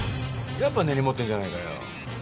やっぱ根に持ってんじゃないかよ。